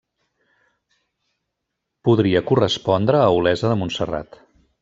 Podria correspondre a Olesa de Montserrat.